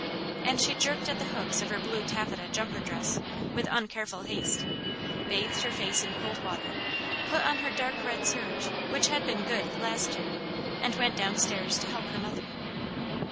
And she jerked at the hooks of her blue taffeta "jumper dress" with uncareful haste; bathed her face in cold water; put on her dark red serge which had been "good" last year; and went down stairs to help her mother.